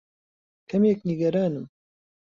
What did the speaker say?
کەمێک نیگەرانم.